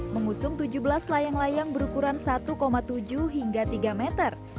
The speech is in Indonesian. mengusung tujuh belas layang layang berukuran satu tujuh hingga tiga meter